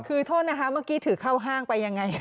คือโทษนะคะเมื่อกี้ถือเข้าห้างไปยังไง